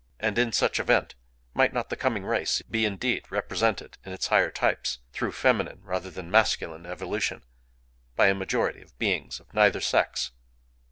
And, in such event, might not the Coming Race be indeed represented in its higher types,—through feminine rather than masculine evolution,—by a majority of beings of neither sex?